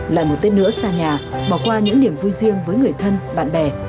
lại một tết nữa xa nhà bỏ qua những niềm vui riêng với người thân bạn bè